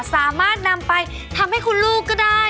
สามารถนำไปทำให้คุณลูกก็ได้